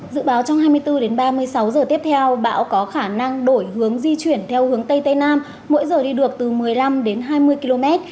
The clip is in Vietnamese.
dự báo trong hai mươi bốn đến ba mươi sáu giờ tiếp theo bão có khả năng đổi hướng di chuyển theo hướng tây tây nam mỗi giờ đi được từ một mươi năm đến hai mươi km